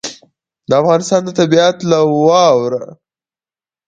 د افغانستان طبیعت له واوره څخه جوړ شوی دی.